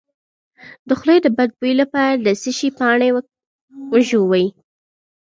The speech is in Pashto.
د خولې د بد بوی لپاره د څه شي پاڼې وژويئ؟